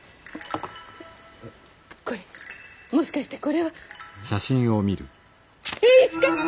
これもしかしてこれは栄一かい？